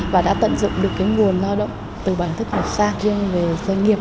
và đã tận dụng được nguồn lao động từ bản thức một sản riêng về doanh nghiệp